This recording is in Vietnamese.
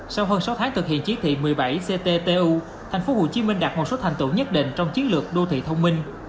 sau hơn sáu tháng thực hiện chỉ thị một mươi bảy cttu tp hcm đạt một số thành tựu nhất định trong chiến lược đô thị thông minh